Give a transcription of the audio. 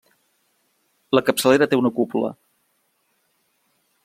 La capçalera té una cúpula.